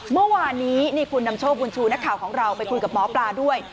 เมื่อวานนี้นี่คุณนำโชคบุญชูนักข่าวของเราไปคุยกับหมอปลาด้วย